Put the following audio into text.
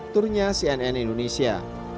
turnya cnn indonesia